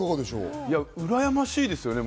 うらやましいですよね。